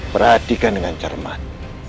perhatikan dengan cermat